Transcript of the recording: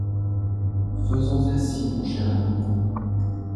Faisons ainsi mon cher ami.